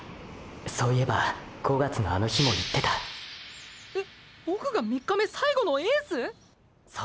そういえば５月のあの日も言ってたーーえボクが３日目最後のエース⁉そ！